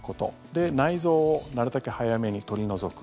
で、内臓をなるたけ早めに取り除く。